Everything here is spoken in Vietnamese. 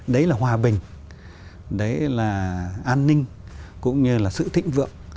đấy là hòa bình đấy là an ninh cũng như là sự thịnh vượng